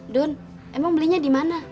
dun emang belinya dimana